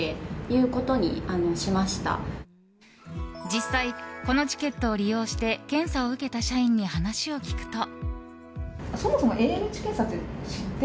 実際、このチケットを利用して検査を受けた社員に話を聞くと。